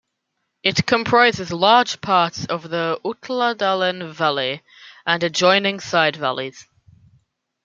It comprises large parts of the Utladalen valey and adjoining side valleys.